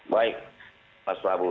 baik mas wabu